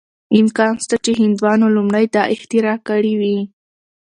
امکان شته چې هندوانو لومړی دا اختراع کړې وه.